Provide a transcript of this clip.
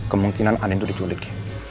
kemungkinan andin tuh diculik